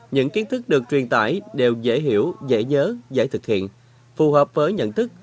những kiến thức được truyền tải đều dễ hiểu dễ nhớ dễ thực hiện phù hợp với nhận thức